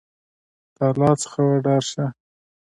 د الله څخه وډار شه !